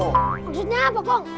berikutnya apa kong